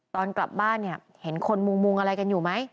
ตอนกลับบ้านเนี่ยเห็นคนมุงอะไรกันอยู่ไหม